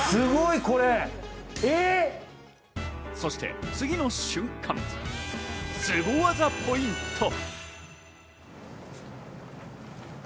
そして次の瞬間、スゴ技ポイント！